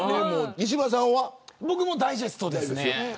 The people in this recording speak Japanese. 僕もダイジェストです。